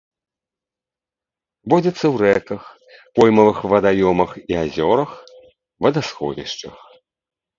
Водзіцца ў рэках, поймавых вадаёмах і азёрах, вадасховішчах.